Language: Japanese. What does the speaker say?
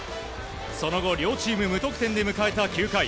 その後、両チーム無得点で迎えた、９回。